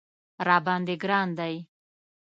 راباندې ګران دی